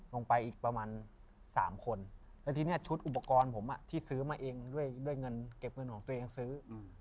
ลงไปอีกประมาณ๓คนแล้วทีนี้ชุดอุปกรณ์ผมที่ซื้อมาเองด้วยเงินเก็บเงินของตัวเองซื้อ